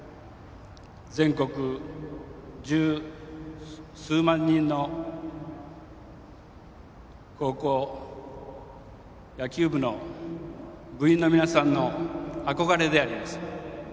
全国十数万人の高校野球部の部員の皆さんの憧れであります。